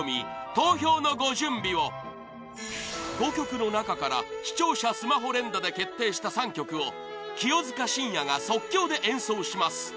投票のご準備を５曲の中から視聴者スマホ連打で決定した３曲を清塚信也が即興で演奏します！